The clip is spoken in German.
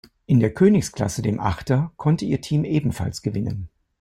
In der Königsklasse, dem Achter, konnte ihr Team ebenfalls gewinnen.